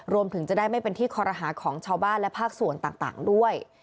รวมถึงจะได้ไม่เป็นที่คอรหาของชาวบ้านและภาคส่วนต่างด้วย